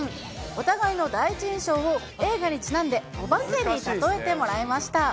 お互いの第一印象を映画にちなんで、おばけに例えてもらいました。